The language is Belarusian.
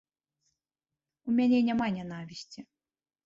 У мяне няма нянавісці.